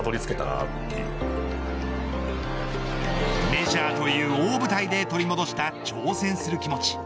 メジャーという大舞台で取り戻した挑戦する気持ち。